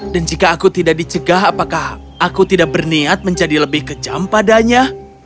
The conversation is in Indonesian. dan jika aku tidak dicegah apakah aku tidak berniat menjadi lebih kejam padanya